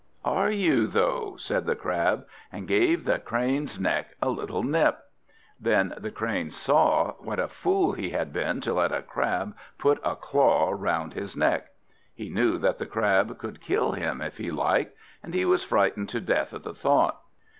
"Are you, though!" said the Crab, and gave the Crane's neck a little nip. Then the Crane saw what a fool he had been to let a Crab put a claw round his neck. He knew that the Crab could kill him if he liked, and he was frightened to death at the thought.